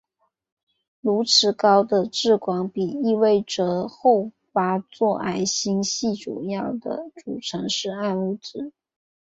如此高的质光比意味着后发座矮星系主要的组成是暗物质。